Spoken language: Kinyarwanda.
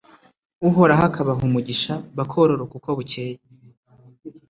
uhoraho akabaha umugisha, bakororoka uko bukeye